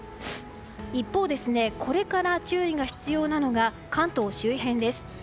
一方、これから注意が必要なのが関東周辺です。